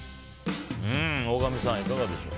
大神さん、いかがでしょうか。